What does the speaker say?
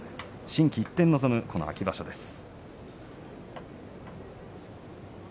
心機一転の今場所です。